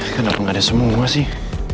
kenapa nggak ada semua sih